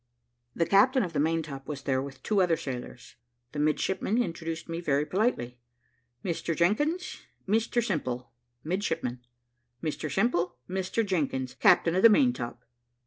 The captain of the main top was there with two other sailors. The midshipman introduced me very politely: "Mr Jenkins Mr Simple, midshipman, Mr Simple, Mr Jenkins, captain of the main top.